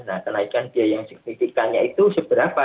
nah kenaikan biaya yang signifikannya itu seberapa